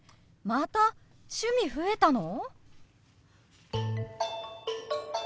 また趣味増えたの！？